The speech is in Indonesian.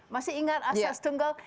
masih ingat asas tunggal